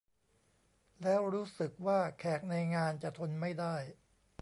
แล้วรู้สึกว่าแขกในงานจะทนไม่ได้